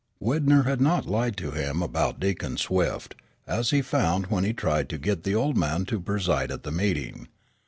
Widner had not lied to him about Deacon Swift, as he found when he tried to get the old man to preside at the meeting.